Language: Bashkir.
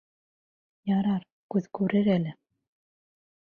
Ярар, күҙ күрер әле.